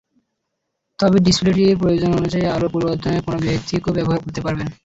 তবে ডিসপ্লেটিতে প্রয়োজন অনুযায়ী আলোর পরিবর্তন করে অন্য ব্যক্তিও ব্যবহার করতে পারবেন।